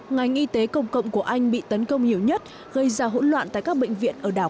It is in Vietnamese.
ngành y tế công cộng của anh bị tấn công nhiều nhất gây ra hỗn loạn tại các bệnh viện ở đảo